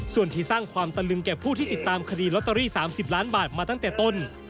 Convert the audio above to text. ส่วนที่สร้างความตะลึงแก่ผู้ที่ติดตามคดีลอตเตอรี่๓๐ล้านบาทมาตั้งแต่ต้น